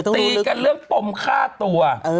ตีกันเรื่องปมฆ่าตัว